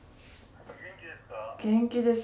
元気です。